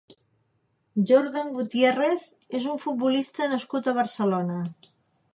Jordan Gutiérrez és un futbolista nascut a Barcelona.